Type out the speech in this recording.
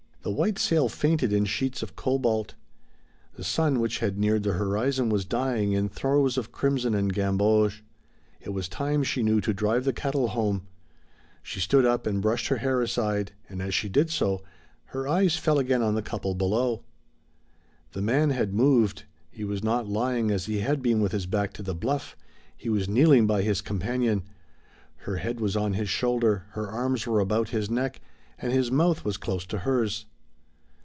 The white sail fainted in sheets of cobalt. The sun which had neared the horizon was dying in throes of crimson and gamboge. It was time she knew to drive the cattle home. She stood up and brushed her hair aside, and as she did so, her eyes fell again on the couple below. The man had moved; he was not lying as he had been with his back to the bluff; he was kneeling by his companion, her head was on his shoulder, her arms were about his neck, and his mouth was close to hers.